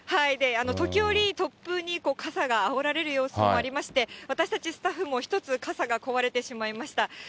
時折、突風に傘があおられる様子もありまして、私たちスタッフも、１つ、傘が壊れてしまいました。